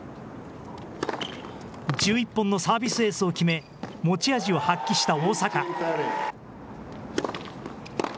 １１本のサービスエースを決め持ち味を発揮した大坂。